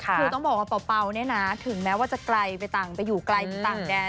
คือต้องบอกว่าเป่าเนี่ยนะถึงแม้ว่าจะไกลไปต่างไปอยู่ไกลไปต่างแดน